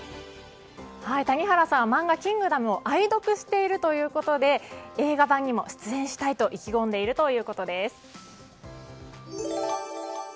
谷原さんは漫画「キングダム」を愛読しているということで映画版にも出演したいと意気込んでいるということです。